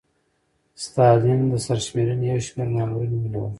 ستالین د سرشمېرنې یو شمېر مامورین ونیول